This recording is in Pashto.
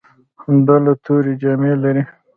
ډله تورې جامې لرلې.